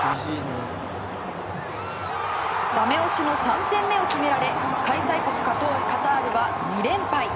だめ押しの３点目を決められ開催国カタールは２連敗。